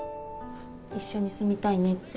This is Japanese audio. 一緒に住みたいねって。